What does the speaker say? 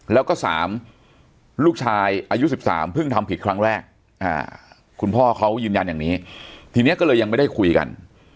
แล้วก็๓ลูกชายอายุ๑๓เพิ่งทำผิดครั้งแรกคุณพ่อเขายืนยันอย่างนี้ทีนี้ก็เลยยังไม่ได้คุยกัน